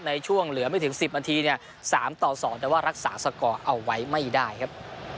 ในช่วงเหลือไม่ถึง๑๐นาทีเนี่ย๓ต่อ๒แต่ว่ารักษาสกอร์เอาไว้ไม่ได้ครับ